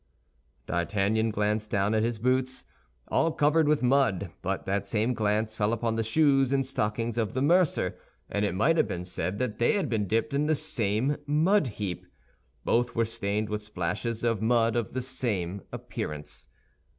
D'Artagnan glanced down at his boots, all covered with mud; but that same glance fell upon the shoes and stockings of the mercer, and it might have been said they had been dipped in the same mud heap. Both were stained with splashes of mud of the same appearance.